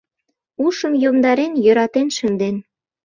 Ушым йомдарен йӧратен шынден.